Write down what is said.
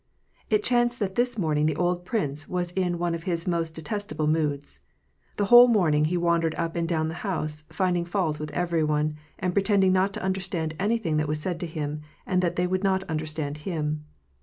It chanced that this morning the old prince was in one of his most detestable moods. The whole morning he wandered up and down the house, finding fault with every one, and pretend ing not to understand anything that was said to him, and that they would not understand him.